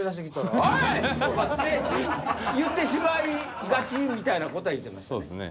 言ってしまいがちみたいなことは言うてましたね。